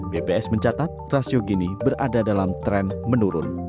bps mencatat rasio gini berada dalam tren menurun